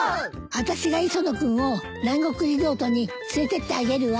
あたしが磯野君を南国リゾートに連れてってあげるわ。